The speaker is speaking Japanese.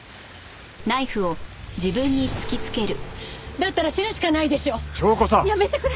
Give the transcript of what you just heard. だったら死ぬしかないでしょ！？